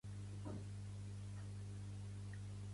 Cap entrevista, ni abans ni tampoc després.